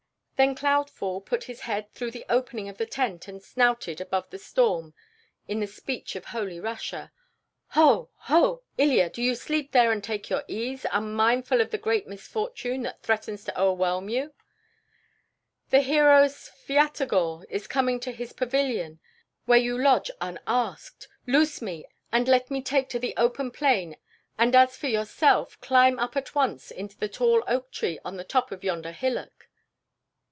Then Cloudfall put his head through the opening of the tent and snouted above the storm in the speech of Holy Russia, "Ho, ho! Ilya, do you sleep there and take your ease, unmindful of the great misfortune that threatens to o'erwhelm you? The hero Svyatogor is coming to his pavilion where you lodge unasked. Loose me, and let me take to the open plain, and as for yourself, climb up at once into the tall oak tree on the top of yonder hillock."